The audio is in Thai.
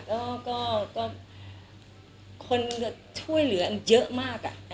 ก็ก็คนเดี๋ยวมีช่วยเหลืออันเยอะมากอ่ะ